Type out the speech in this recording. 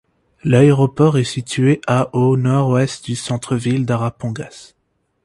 L'aéroport est situé à au nord-ouest du centre-ville d'Arapongas.